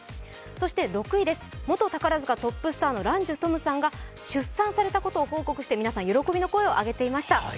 そして６位です、元宝塚トップスターの蘭寿とむさんが出産されたことを報告されて皆さん喜びの声を上げていました。